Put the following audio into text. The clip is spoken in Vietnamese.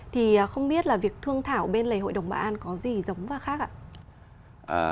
thì không biết là việc thương thảo bên lề hội đồng bà an có gì giống và khác ạ